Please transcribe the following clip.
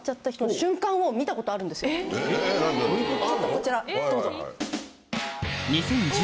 こちらどうぞ。